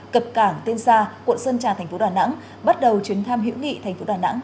cập cảng tiên sa quận sơn trà thành phố đà nẵng bắt đầu chuyến thăm hữu nghị thành phố đà nẵng